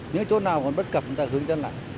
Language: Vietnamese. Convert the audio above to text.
những chỗ nào còn bất cập chúng ta hướng dẫn lại